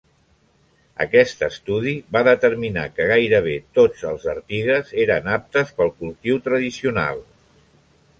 Aquest estudi va determinar que gairebé tots els Artigues eren aptes pel cultiu tradicional.